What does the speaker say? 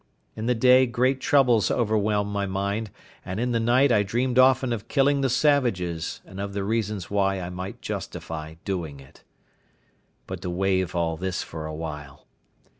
In the day great troubles overwhelmed my mind; and in the night I dreamed often of killing the savages and of the reasons why I might justify doing it. But to waive all this for a while.